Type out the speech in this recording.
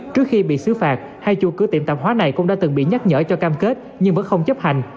trước khi bị xứ phạt hai chủ cửa tiệm tạp hóa này cũng đã từng bị nhắc nhở cho cam kết nhưng vẫn không chấp hành